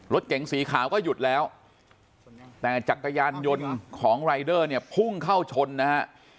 รถเก๋งสีขาวก็หยุดแล้วแต่จักรยานยนต์ของรายเดอร์เนี่ยพุ่งเข้าชนนะฮะ